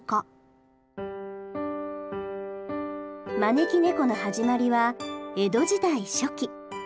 招き猫の始まりは江戸時代初期。